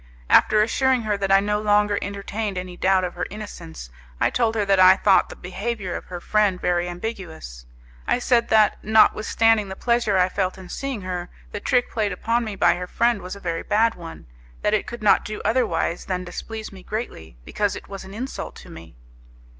After assuring her that I no longer entertained any doubt of her innocence, I told her that I thought the behaviour of her friend very ambiguous. I said that, notwithstanding the pleasure I felt in seeing her, the trick played upon me by her friend was a very bad one, that it could not do otherwise than displease me greatly, because it was an insult to me.